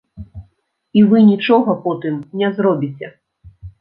І вы нічога потым не зробіце.